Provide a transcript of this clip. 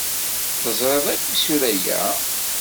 Teẓriḍ akk isura-ya?